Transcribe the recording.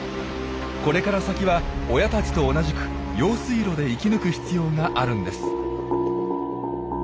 これから先は親たちと同じく用水路で生き抜く必要があるんです。